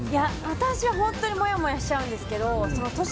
私は本当にもやもやしちゃうんですけど年